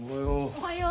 おはよう。